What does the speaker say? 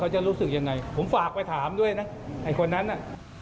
จะรู้สึกยังไงผมฝากไปถามด้วยนะไอ้คนนั้นน่ะ